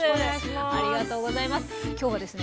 ありがとうございます。